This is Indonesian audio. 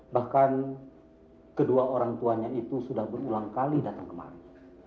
bahkan kedua orang tuanya itu sudah berulang kali datang kemari